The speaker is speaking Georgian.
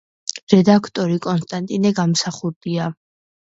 რედაქტორი —კონსტანტინე გამსახურდია.